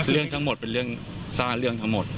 เรื่องทั้งหมดเป็นเรื่องสร้างเรื่องทั้งหมด